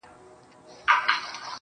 o سري وخت دی، ځان له دغه ښاره باسه.